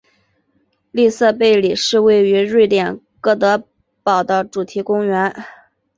利瑟贝里是位于瑞典哥德堡的主题公园。